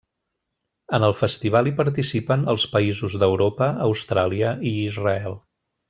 En el festival hi participen els països d'Europa, Austràlia i Israel.